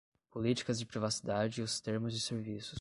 Políticas de privacidade e os termos de serviços